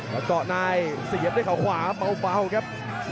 แล้วเกาะในเสียบด้วยเขาขวาเบาครับ